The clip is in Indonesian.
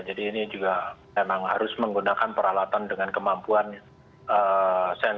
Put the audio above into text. jadi ini juga memang harus menggunakan peralatan dengan kekuatan